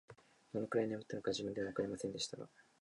どのくらい眠ったのか、自分でもわかりませんでしたが、